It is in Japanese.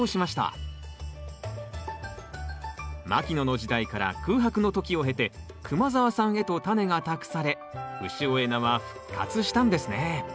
牧野の時代から空白の時を経て熊澤さんへとタネが託され潮江菜は復活したんですね